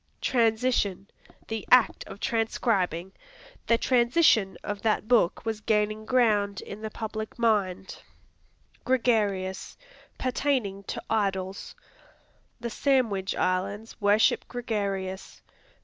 Transition The act of transcribing; "The transition of that book was gaining ground in the public mind." Gregarious Pertaining to idols; "The Sandwich Islands worship gregarious."